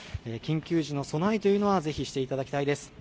緊急時の備えというのは、ぜひしていただきたいです。